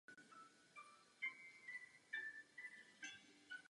Důvodem bylo dát obchodníkům právní prodejní místo pro své zboží.